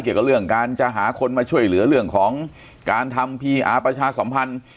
เกี่ยวกับเรื่องการจะหาคนมาช่วยเหลือเรื่องของการทำพีอาร์ประชาสัมพันธ์